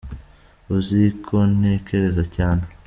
uzikontekereza cyane